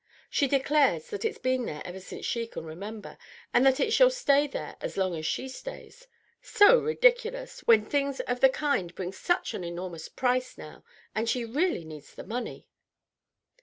She declares that it's been there ever since she can remember, and that it shall stay there as long as she stays. So ridiculous, when things of the kind bring such an enormous price now, and she really needs the money!"